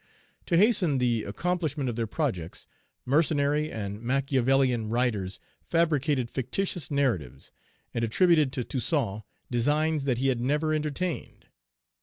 "To hasten the accomplishment of their projects, mercenary and Machiavellian writers fabricated fictitious narratives, and attributed to Toussaint designs that he had never entertained.